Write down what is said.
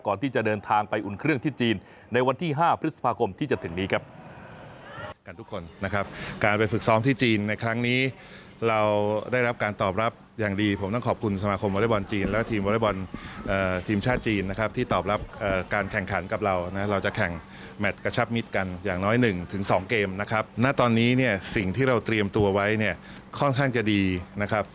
ก่อนที่จะเดินทางไปอุ่นเครื่องที่จีนในวันที่๕พฤษภาคมที่จะถึงนี้ครับ